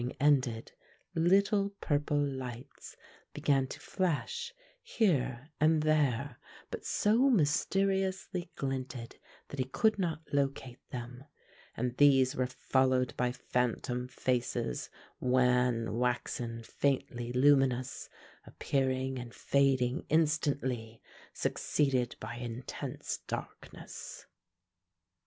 When the whispering ended little purple lights began to flash here and there, but so mysteriously glinted that he could not locate them, and these were followed by phantom faces, wan, waxen, faintly luminous, appearing and fading instantly, succeeded by intense darkness.